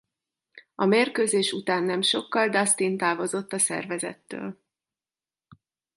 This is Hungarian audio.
A mérkőzés után nem sokkal Dustin távozott a szervezettől.